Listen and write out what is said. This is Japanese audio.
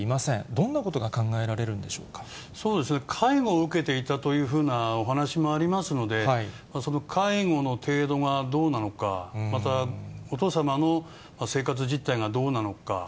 どんなことが考えられるんでしょそうですね、介護を受けていたというふうなお話もありますので、その介護の程度がどうなのか、またお父様の生活実態がどうなのか。